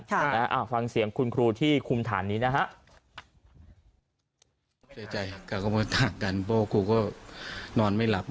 ค่ะฟังเสียงคุณครูที่คุมฐานนี้นะฮะ